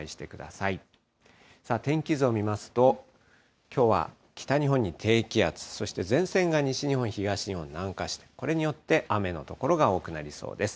さあ、天気図を見ますと、きょうは北日本に低気圧、そして前線が西日本、東日本、南下し、これによって雨の所が多くなりそうです。